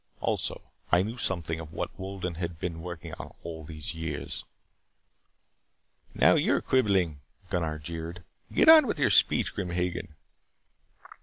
Also, I knew something of what Wolden has been working on all these years." "Now, you're quibbling," Gunnar jeered. "Get on with your speech, Grim Hagen."